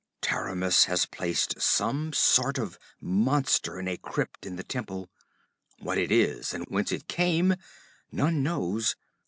'Taramis has placed some sort of monster in a crypt in the temple. What it is, and whence it came, none knows.